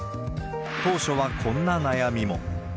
当初はこんな悩みも。